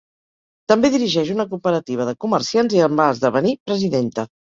També dirigeix una cooperativa de comerciants i en va esdevenir presidenta.